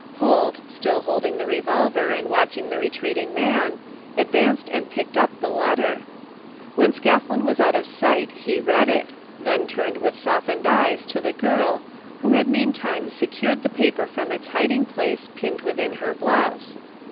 Holt, still holding the revolver and watching the retreating man, advanced and picked up the letter. When Scathlin was out of sight he read it, then turned with softened eyes to the girl who had meantime secured the paper from its hiding place pinned within her blouse.